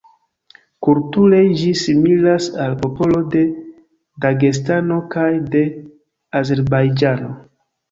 Kulture, ĝi similas al popolo de Dagestano kaj de Azerbajĝano.